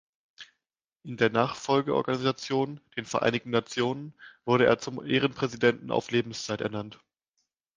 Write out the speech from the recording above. In der Nachfolgeorganisation, den Vereinten Nationen, wurde er zum Ehrenpräsidenten auf Lebenszeit ernannt.